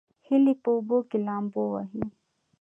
هیلۍ په اوبو کې لامبو وهي